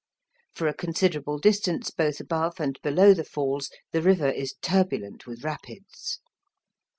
For a considerable distance both above and below the Falls the river is turbulent with rapids.